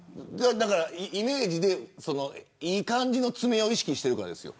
イメージで、いい感じの爪を意識しているからですよ。